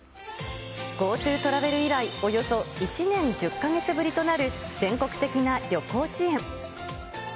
ＧｏＴｏトラベル以来、およそ１年１０か月ぶりとなる、全国的な旅行支援。